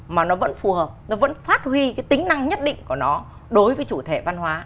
mà nó vẫn phù hợp nó vẫn phát huy cái tính năng nhất định của nó đối với chủ thể văn hóa